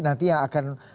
nanti yang akan